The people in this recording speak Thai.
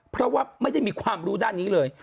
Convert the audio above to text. เพราะว่าไม่ได้มีความรู้ด้านนี้เลย